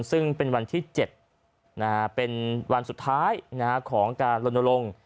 ซึ่งเป็นวันที่๗เป็นวันสุดท้ายของการลนลง